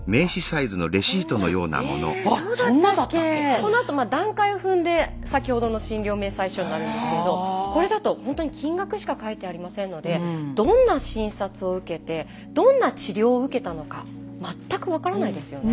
このあと段階を踏んで先ほどの診療明細書になるんですけれどこれだとほんとに金額しか書いてありませんのでどんな診察を受けてどんな治療を受けたのか全く分からないですよね。